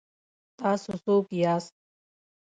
تاسو څوک یاست؟